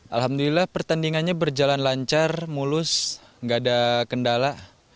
alhamdulillah pertandingannya berjalan lancar mulus nggak ada kendala